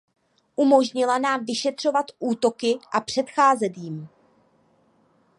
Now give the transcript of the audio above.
Umožnila nám vyšetřovat útoky a předcházet jim.